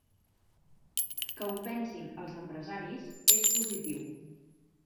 Que ho pensin els empresaris és positiu.